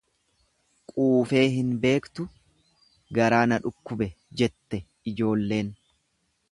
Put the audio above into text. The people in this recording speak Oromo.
Quufee hin beektu garaa na dhukkube jette ijoolleen.